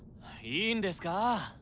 いいんですか？